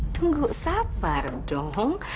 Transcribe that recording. tunggu sabar dong